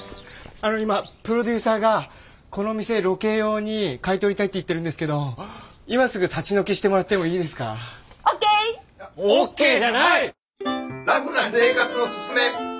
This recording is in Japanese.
あの今プロデューサーがこの店ロケ用に買い取りたいって言ってるんですけど今すぐ立ち退きしてもらってもいいですか？ＯＫ！ＯＫじゃない！